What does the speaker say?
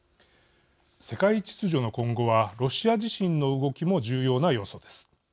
世界秩序の今後はロシア自身の動きも重要な要素です。